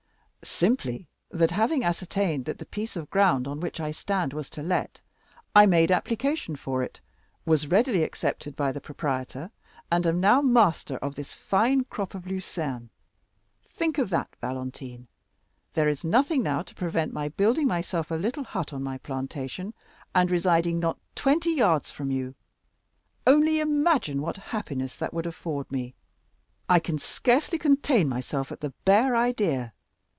"Simply, that having ascertained that the piece of ground on which I stand was to let, I made application for it, was readily accepted by the proprietor, and am now master of this fine crop of lucern. Think of that, Valentine! There is nothing now to prevent my building myself a little hut on my plantation, and residing not twenty yards from you. Only imagine what happiness that would afford me. I can scarcely contain myself at the bare idea.